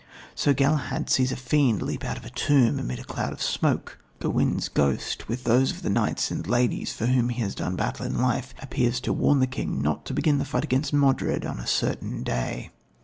Sir Galahad sees a fiend leap out of a tomb amid a cloud of smoke; Gawaine's ghost, with those of the knights and ladies for whom he has done battle in life, appears to warn the king not to begin the fight against Modred on a certain day.